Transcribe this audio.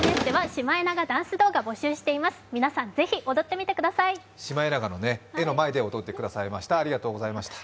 シマエナガの絵の前で踊ってくださいました。